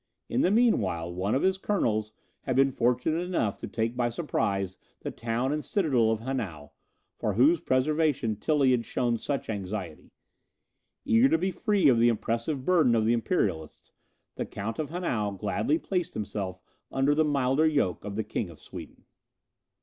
In the meanwhile one of his colonels had been fortunate enough to take by surprise the town and citadel of Hanau, for whose preservation Tilly had shown such anxiety. Eager to be free of the oppressive burden of the Imperialists, the Count of Hanau gladly placed himself under the milder yoke of the King of Sweden.